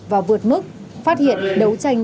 và vượt mức phát hiện đấu tranh